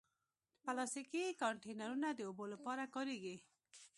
پلاستيکي کانټینرونه د اوبو لپاره کارېږي.